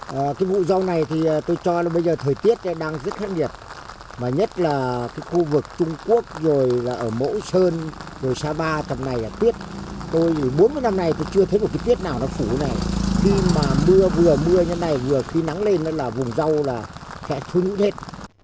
vừa mưa như thế này vừa khi nắng lên vùng râu sẽ trúng hết